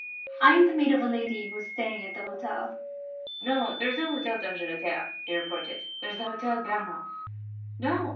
I am the maid of a lady who is staying at that hotel." "No; there is no Hotel d'Angleterre," he reported. "There is the Hotel Bernehof." "No."